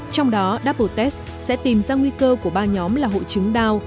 trong đó double test sẽ tìm ra nguy cơ của ba nhóm là hội chứng đao